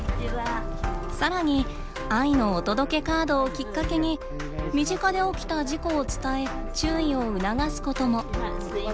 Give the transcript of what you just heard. さらに「愛のお届けカード」をきっかけに身近で起きた事故を伝え注意を促すことも。